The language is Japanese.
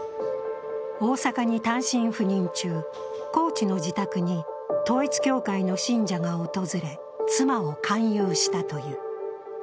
大阪に単身赴任中、高知の自宅に統一教会の信者が訪れ、妻を勧誘したという。